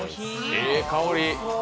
ええ香り。